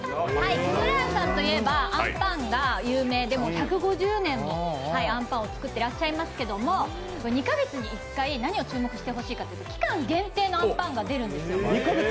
木村家さんと言えばあんぱんが有名で１５０年もあんぱんを作っていらっしゃいますけども、２か月に１回、何を注目してほしいかというと期間限定のあんぱんが出るんですよ。